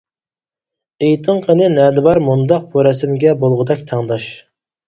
ئېيتىڭ قېنى نەدە بار مۇنداق بۇ رەسىمگە بولغۇدەك تەڭداش.